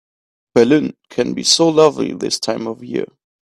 Berlin can be so lovely this time of year.